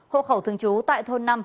hộ khẩu thường trú tại thôn năm